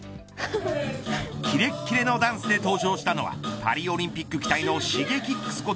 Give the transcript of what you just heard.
切れ切れのダンスで登場したのはパリオリンピック期待のＳｈｉｇｅｋｉｘこと